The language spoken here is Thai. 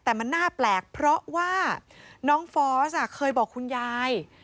แต่มันน่าแปลกเพราะว่าน้องฟอสเคยบอกคุณยาย